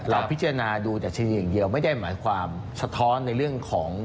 พิจารณาดูดัชนีอย่างเดียวไม่ได้หมายความสะท้อนในเรื่องของ